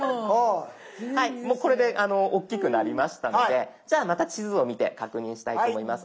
もうこれで大きくなりましたのでじゃあまた地図を見て確認したいと思います。